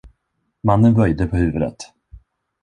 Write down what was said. Mannen böjde på huvudet.